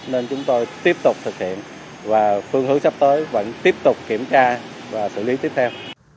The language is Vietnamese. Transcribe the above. nên chúng tôi tiếp tục thực hiện và phương hướng sắp tới vẫn tiếp tục kiểm tra và xử lý tiếp theo